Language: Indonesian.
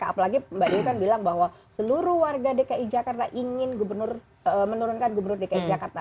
apalagi mbak nu kan bilang bahwa seluruh warga dki jakarta ingin menurunkan gubernur dki jakarta